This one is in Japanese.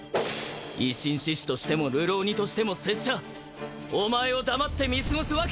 維新志士としても流浪人としても拙者お前を黙って見過ごすわけにいかぬ！